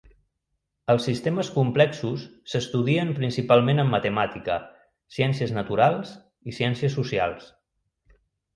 Els sistemes complexos s'estudien principalment en matemàtica, ciències naturals i ciències socials.